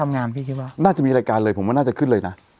น่าจะมีรายการเลยผมว่าน่าจะขึ้นเลยนะ